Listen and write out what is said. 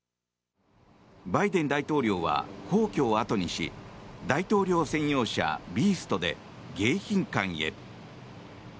バイデン大統領は皇居をあとにし大統領専用車「ビースト」で迎賓館へ。